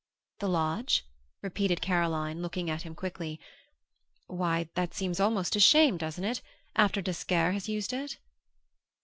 "The lodge?" repeated Caroline looking at him quickly. "Why, that seems almost a shame, doesn't it, after d'Esquerre has used it?"